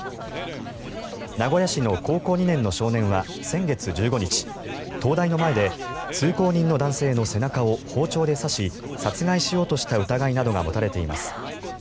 名古屋市の高校２年の少年は先月１５日東大の前で通行人の男性の背中を包丁で刺し殺害しようとした疑いなどが持たれています。